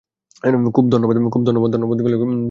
খুব ধন্যবাদ ধন্যবাদ বলে গেলো, বিষয়টা কি?